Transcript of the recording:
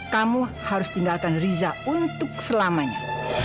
kamu harus tinggalkan riza untuk selamanya